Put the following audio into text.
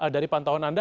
dari pantauan anda